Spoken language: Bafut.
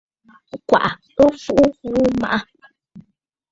Ŋ̀gwàʼà ɨ fu ghu maʼà.